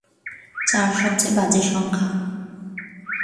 চার সবচেয়ে বাজে সংখ্যা।